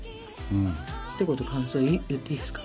ひと言感想言っていいですか？